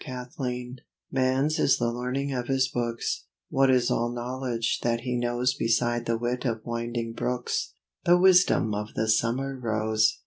PROBLEMS Man's is the learning of his books What is all knowledge that he knows Beside the wit of winding brooks, The wisdom of the summer rose!